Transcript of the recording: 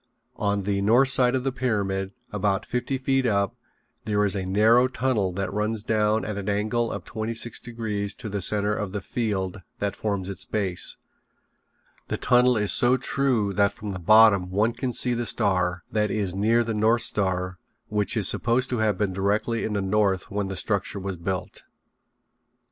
On the north side of the pyramid, about fifty feet up, there is a narrow tunnel that runs down at an angle of twenty six degrees to the center of the field that forms its base. The tunnel is so true that from the bottom one can see the star, that is near the North Star, which is supposed to have been directly in the north when the structure was built.